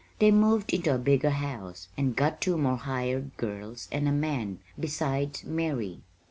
They moved into a bigger house, and got two more hired girls and a man, besides Mary.